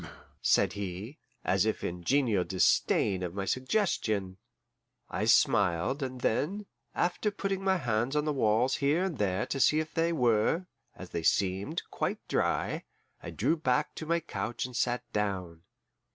"Poom!" said he, as if in genial disdain of my suggestion. I smiled, and then, after putting my hands on the walls here and there to see if they were, as they seemed, quite dry, I drew back to my couch and sat down.